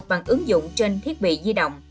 bằng ứng dụng trên thiết bị di động